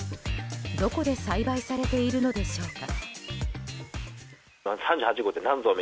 どこで栽培されているのでしょうか？